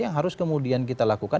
yang harus kemudian kita lakukan